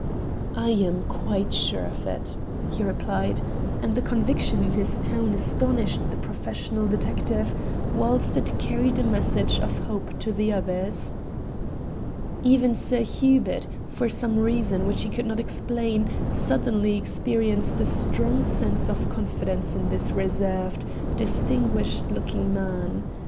"I am quite sure of it," he replied, and the conviction in his tone astonished the professional detective, whilst it carried a message of hope to the others. Even Sir Hubert, for some reason which he could not explain, suddenly experienced a strong sense of confidence in this reserved, distinguished looking man.